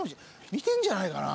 見てんじゃないかな？